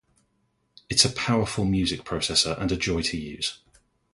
It's a powerful music processor and a joy to use.